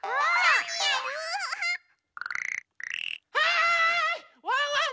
はい！